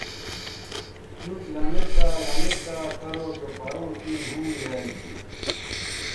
نُوٹ لمیدا لمیدا کرو سو پروں ݜینگ ھُمویال گی